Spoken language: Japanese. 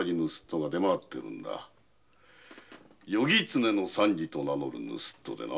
「夜狐の三次」と名乗る盗っ人でな。